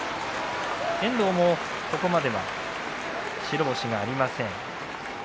遠藤もここまでは白星がありません。